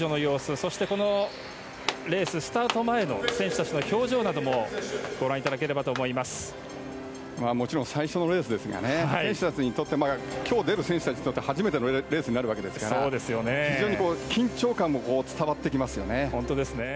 そして、このレーススタート前の選手たちの表情なども最初のレースですから今日出る選手たちにとっても初めてのレースになるわけですから非常に緊張感も伝わってきますよね。